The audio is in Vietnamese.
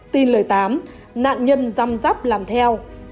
tin lời tám nạn nhân râm rắp làm theo